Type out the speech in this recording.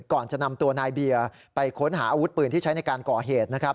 ก่อนจะนำตัวนายเบียร์ไปค้นหาอาวุธปืนที่ใช้ในการก่อเหตุนะครับ